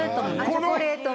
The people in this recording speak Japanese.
チョコレートも。